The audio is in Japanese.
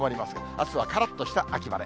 あすはからっとした秋晴れ。